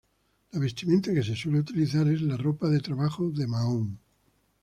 La vestimenta que se suele utilizar es la ropa de trabajo de mahón.